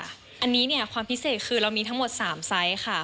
อันนี้เนี่ยความพิเศษคือเรามีทั้งหมด๓ไซส์ค่ะ